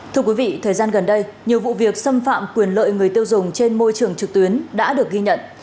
thưa quý vị thời gian gần đây nhiều vụ việc xâm phạm quyền lợi người tiêu dùng trên môi trường trực tuyến đã được ghi nhận